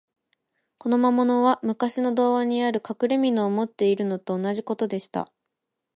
この魔物は、むかしの童話にある、かくれみのを持っているのと同じことでした。